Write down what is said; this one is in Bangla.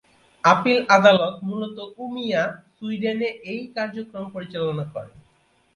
আপীল আদালত মূলত উমিয়া, সুইডেনে এই কার্যক্রম পরিচালনা করে।